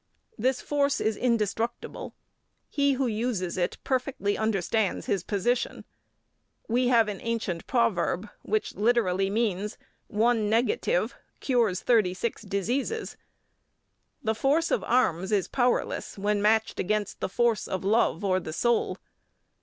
This force is indestructible. He who uses it perfectly understands his position. We have an ancient proverb which literally means "One negative cures thirty six diseases." The force of arms is powerless when matched against the force of love or the soul.